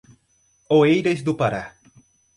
Oeiras do Pará